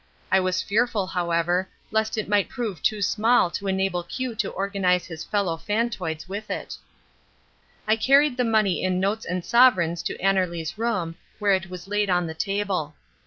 I was fearful, however, lest it might prove too small to enable Q to organise his fellow phantoids with it. I carried the money in notes and sovereigns to Annerly's room, where it was laid on the table.